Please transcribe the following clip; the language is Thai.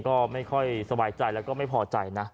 ก็ไม่ค่อยสบายใจแล้วก็ไม่พอใจนะ